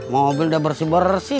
mobil udah bersih bersih